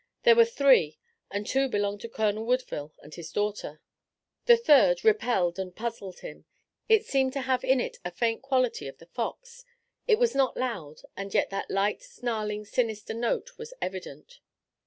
There were three and two belonged to Colonel Woodville and his daughter. The third repelled and puzzled him. It seemed to have in it a faint quality of the fox. It was not loud, and yet that light, snarling, sinister note was evident.